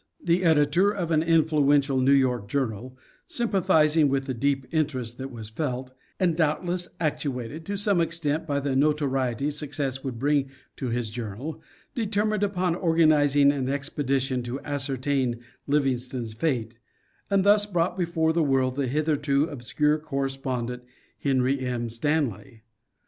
The editor of an influential New York journal, sympathizing with the deep interest that was felt, and doubtless actuated to some extent by the notoriety suc cess would bring to his journal, determined upon organizing an expedition to ascertain Livingstone's fate, and thus brought before the world the hitherto obscure correspondent Henry M. Stanley.